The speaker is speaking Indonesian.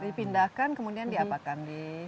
dipindahkan kemudian diapakan